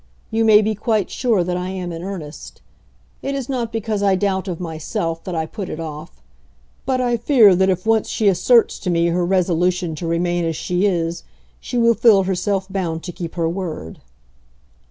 You may be quite sure that I am in earnest. It is not because I doubt of myself that I put it off. But I fear that if once she asserts to me her resolution to remain as she is, she will feel herself bound to keep her word."